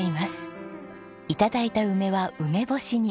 頂いた梅は梅干しに。